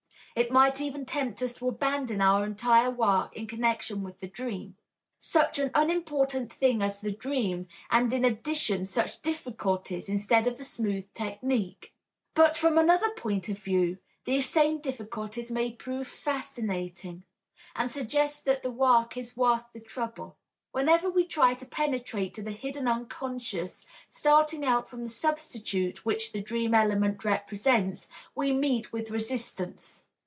It might even tempt us to abandon our entire work in connection with the dream. Such an unimportant thing as the dream and in addition such difficulties instead of a smooth technique! But from another point of view, these same difficulties may prove fascinating, and suggest that the work is worth the trouble. Whenever we try to penetrate to the hidden unconscious, starting out from the substitute which the dream element represents, we meet with resistance.